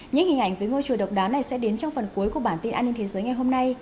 những hình ảnh với ngôi chùa độc đáo này sẽ đến trong phần cuối của bản tin an ninh thế giới ngày hôm nay